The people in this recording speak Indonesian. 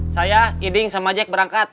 saya eding sama jack berangkat